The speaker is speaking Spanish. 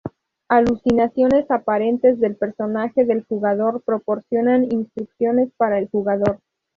Alucinaciones aparentes del personaje del jugador proporcionan instrucciones para el jugador.